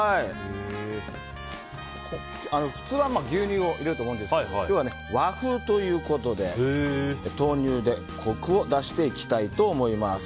普通は牛乳を入れると思うんですが今日は和風ということで豆乳でコクを出していきたいと思います。